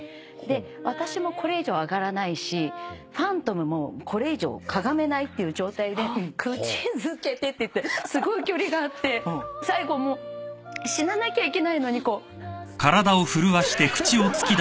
私もこれ以上上がらないしファントムもこれ以上かがめないっていう状態で「口づけて」って言ってすごい距離があって最後死ななきゃいけないのに。